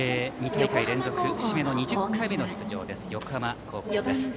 ２大会連続節目の２０回目の出場です横浜高校。